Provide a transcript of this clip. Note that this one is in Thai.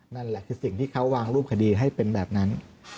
นั่นแหละคือสิ่งที่เขาวางรูปคดีให้เป็นแบบนั้น